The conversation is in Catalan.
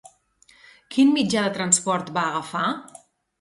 Quin mitjà de transport va agafar?